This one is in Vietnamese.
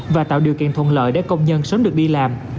và tạo điều kiện thuận lợi để công nhân sớm được đi làm